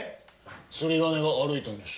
釣り鐘が歩いたんです。